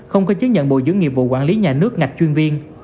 không có chứng nhận bồi dưỡng nghiệp vụ quản lý nhà nước ngạch chuyên viên